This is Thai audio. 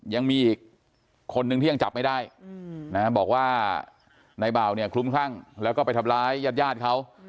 ยังมีอีกคนนึงที่ยังจับไม่ได้นะบอกว่านายบ่าวเนี่ยคลุ้มคลั่งแล้วก็ไปทำร้ายญาติญาติเขา